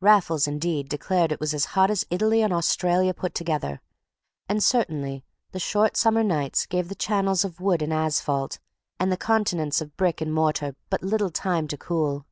Raffles, indeed, declared it was as hot as Italy and Australia put together; and certainly the short summer nights gave the channels of wood and asphalt and the continents of brick and mortar but little time to cool.